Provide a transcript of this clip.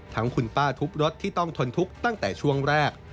คุณป้าทุบรถที่ต้องทนทุกข์ตั้งแต่ช่วงแรก